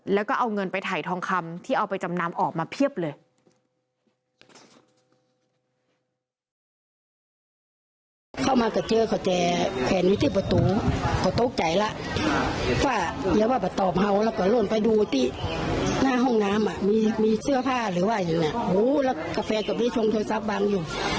แล้วก็เอาเงินไปถ่ายทองคำที่เอาไปจำนำออกมาเพียบเลย